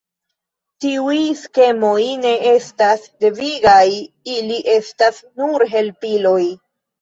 Tiuj skemoj ne estas devigaj, ili estas nur helpiloj.